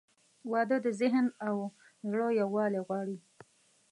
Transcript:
• واده د ذهن او زړه یووالی غواړي.